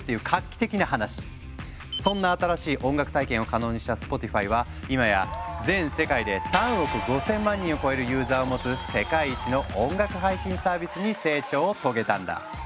そんな新しい音楽体験を可能にしたスポティファイは今や全世界で３億５，０００万人を超えるユーザーを持つ世界一の音楽配信サービスに成長を遂げたんだ。